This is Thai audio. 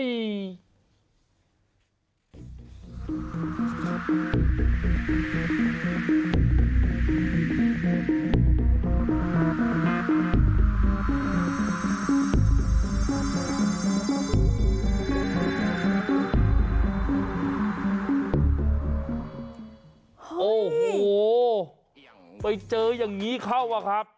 กิโอ้โห้ไปเจอยังงี้เข้าวะครับ